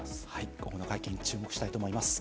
今後の会見に注目したいと思います。